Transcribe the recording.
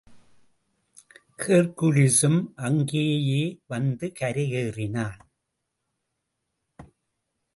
ஹெர்க்குலிஸும் அங்கேயே வந்து கரையேறினான்.